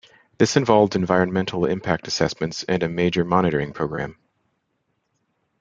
This involved environmental impact assessments and a major monitoring programme.